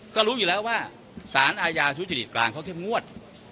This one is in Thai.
ก็รู้อยู่แล้วว่าสารอาญาทุจริตกลางเขาเข้มงวด